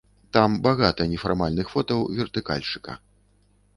Там багата нефармальных фотаў вертыкальшчыка.